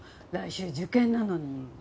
来週受験なのに。